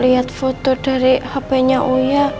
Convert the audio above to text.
yuk ibu kamu